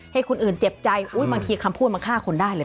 ให้คนอื่นเจ็บใจบางทีคำพูดมาฆ่าคนได้เลย